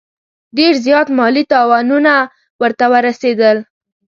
ډېر زیات مالي تاوانونه ورته ورسېدل.